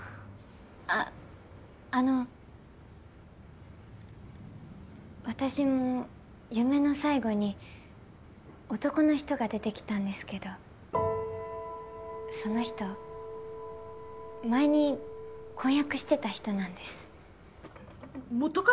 ああの私も夢の最後に男の人が出てきたんですけどその人前に婚約してた人なんです。元彼！？